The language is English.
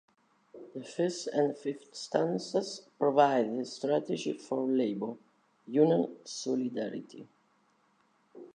The first and fifth stanzas provide the strategy for labor: union solidarity.